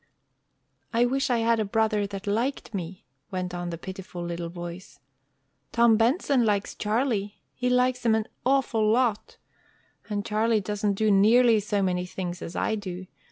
"I wish I had a brother that liked me." went on the pitiful little voice. "Tom Benson likes Charlie. He likes him an awful lot. And Charlie doesn't do nearly so many things as I do.